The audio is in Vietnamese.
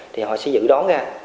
thì họ sẽ dự đoán ra